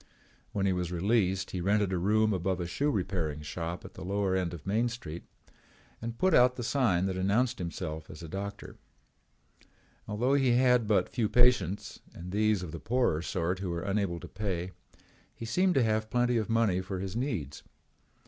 When he was released he rented a room above a shoe repairing shop at the lower end of Main Street and put out the sign that announced himself as a doctor. Although he had but few patients and these of the poorer sort who were unable to pay, he seemed to have plenty of money for his needs.